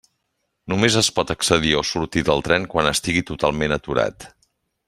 Només es pot accedir o sortir del tren quan estigui totalment aturat.